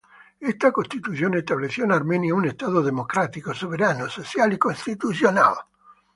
Esta Constitución estableció en Armenia un Estado democrático, soberano, social y constitucional.